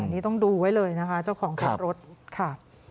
นี่ต้องดูไว้เลยนะคะเจ้าของขับรถค่ะ